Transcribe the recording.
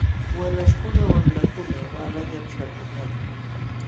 Walaśhkuna wamlakuna waalayllam śhalkupaakun .